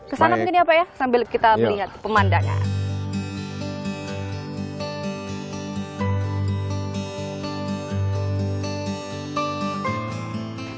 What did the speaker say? kesana mungkin ya pak ya sambil kita melihat pemandangan